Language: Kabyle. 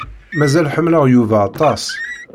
Mazal ḥemmleɣ Yuba aṭas.